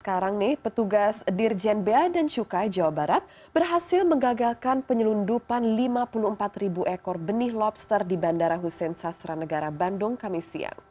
sekarang petugas dirjen b a dan cukai jawa barat berhasil mengagalkan penyelundupan lima puluh empat ribu ekor benih lobster di bandara hussein sasranegara bandung kami siang